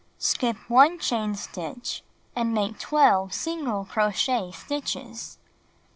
Skip 1 chain stitch, and make 12 single crochet stitches.